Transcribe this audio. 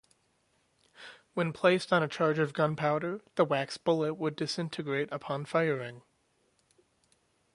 When placed on a charge of gunpowder, the wax bullet would disintegrate upon firing.